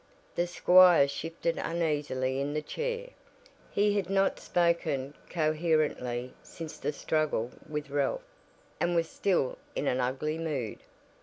The squire shifted uneasily in the chair. He had not spoken coherently since the struggle with Ralph, and was still in an ugly mood.